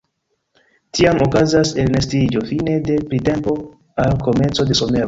Tiam okazas elnestiĝo fine de printempo al komenco de somero.